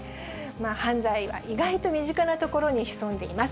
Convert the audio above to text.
犯罪は意外と身近なところに潜んでいます。